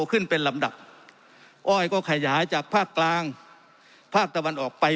ขึ้นเป็นลำดับอ้อยก็ขยายจากภาคกลางภาคตะวันออกไป